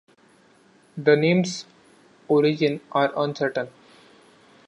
The name's origins are uncertain.